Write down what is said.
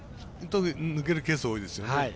抜けるケース多いですよね。